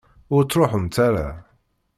Ur ttṛuḥumt ara!